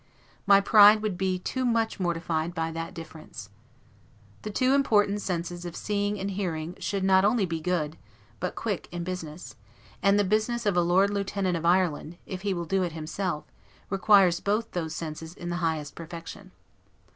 My pride would be too much mortified by that difference. The two important senses of seeing and hearing should not only be good, but quick, in business; and the business of a Lord lieutenant of Ireland (if he will do it himself) requires both those senses in the highest perfection.